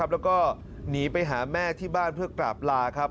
แล้วก็หนีไปหาแม่ที่บ้านเพื่อกราบลาครับ